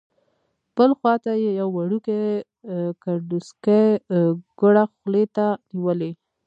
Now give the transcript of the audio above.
بل خوا ته یې یو وړوکی کنډوسکی ګوړه خولې ته نیولې.